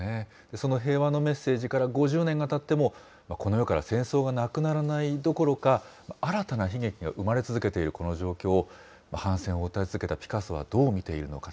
その平和のメッセージから５０年がたっても、この世から戦争がなくならないどころか、新たな悲劇が生まれ続けているこの状況を、反戦を訴え続けたピカソはどう見ているのか。